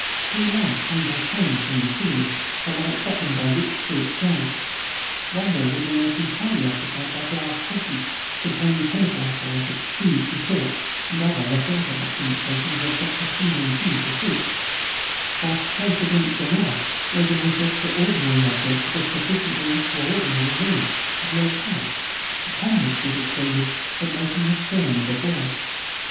Three lamps hung by chains from the ceiling, their light softened by rich silk shades. One wall was almost entirely occupied by glass cases containing chemical apparatus, tubes, retorts and other less orthodox indications of Dr. Fu Manchu's pursuits, whilst close against another lay the most extraordinary object of a sufficiently extraordinary room a low couch, upon which was extended the motionless form of a boy.